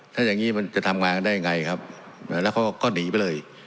ถ้าอย่างนี้มันจะทำงานกันได้ยังไงครับแล้วเขาก็หนีไปเลย